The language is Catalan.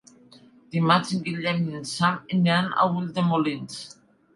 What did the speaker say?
Dimarts en Guillem i en Sam iran a Ulldemolins.